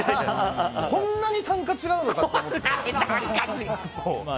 こんなに単価違うのか！って思って。